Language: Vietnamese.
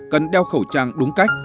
cần đeo khẩu trang đúng cách